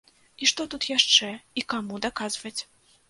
І што тут яшчэ і каму даказваць?